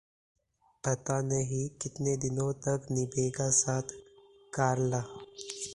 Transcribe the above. पता नहीं कितने दिनों तक निभेगा साथ: कार्ला